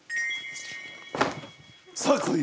さあ来い！